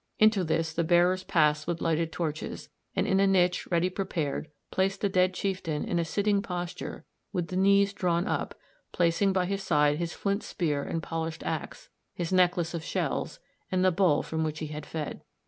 Into this the bearers passed with lighted torches, and in a niche ready prepared placed the dead chieftain in a sitting posture with the knees drawn up, placing by his side his flint spear and polished axe, his necklace of shells, and the bowl from which he had fed.